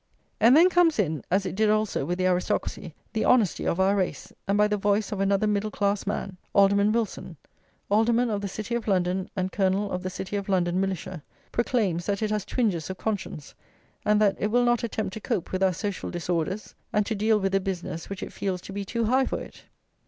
And then comes in, as it did also with the aristocracy, the honesty of our race, and by the voice of another middle class man, Alderman Wilson, Alderman of the City of London and Colonel of the City of London Militia, proclaims that it has twinges of conscience, and that it will not attempt to cope with our social disorders, and to deal with a business which it feels to be too high for it.